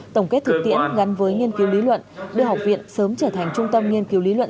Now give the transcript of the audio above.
tổng kết thực tiễn gắn với nghiên cứu lý luận đưa học viện sớm trở thành trung tâm nghiên cứu lý luận